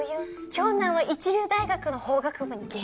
長男は一流大学の法学部に現役合格。